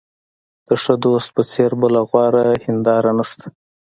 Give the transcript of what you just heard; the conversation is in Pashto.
د ښه دوست په څېر بله غوره هنداره نشته.